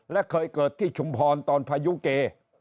และเคยเกิดที่ชุมพรตอนพายุเก